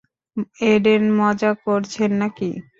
Eden, মজা করছেন নাকি?